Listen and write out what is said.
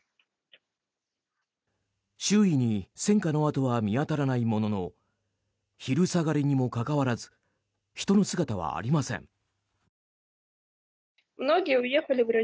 周囲に戦火の跡は見当たらないものの昼下がりにもかかわらず人の姿はありません。